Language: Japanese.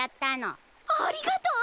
ありがとう！